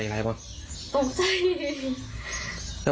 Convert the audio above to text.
อื้มครับ